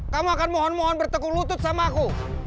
kamu akan mohon mohon berteku lutut sama aku